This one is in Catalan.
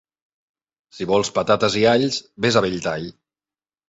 Si vols patates i alls, ves a Belltall.